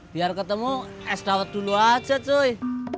biar ketemu es dawet dulu aja cuy